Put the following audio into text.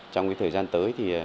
trong cái thời gian tới thì